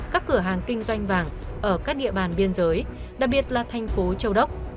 các cửa hàng kinh doanh vàng ở các địa bàn biên giới đặc biệt là thành phố châu đốc